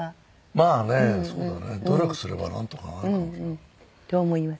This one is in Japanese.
まあねそうだね努力すればなんとかなるかもな。と思います。